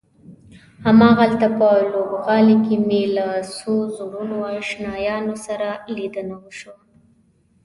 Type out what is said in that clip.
هماغلته په لوبغالي کې مې له څو زړو آشنایانو سره لیدنه وشوه.